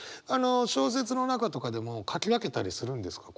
小説の中とかでも書き分けたりするんですか？